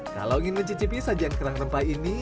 kalau ingin mencicipi sajian kerang rempah ini